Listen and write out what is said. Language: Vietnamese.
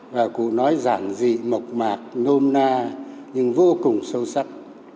và cụ nói giản dị mộc mạc nôm na nhưng vô cùng sâu sắc